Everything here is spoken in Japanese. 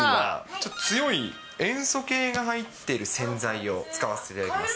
ちょっと強い塩素系が入ってる洗剤を使わせていただきます。